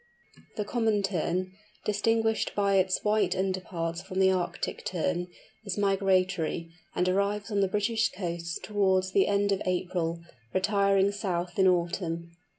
The Common Tern, distinguished by its white underparts from the Arctic Tern, is migratory and arrives on the British coasts towards the end of April, retiring south in Autumn.